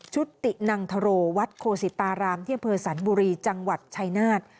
ชุดตินังถโรวัดโคสิตารามเที่ยงเผอร์สันบุรีจังหวัดชายนาฏ